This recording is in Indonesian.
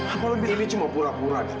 apa lo pikir ini cuma pura pura nek